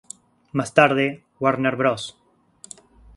Más tarde, Warner Bros.